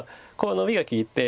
でノビが利いて。